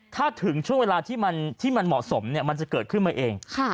ถ้าถึงช่วงเวลาที่มันเหมาะสมมันจะเกิดขึ้นมาเอง